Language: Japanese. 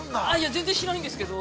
◆全然しないんですけど。